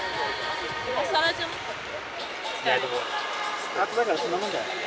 スタートだからこんなもんじゃない？